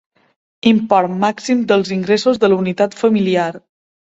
Import màxim dels ingressos de la unitat familiar.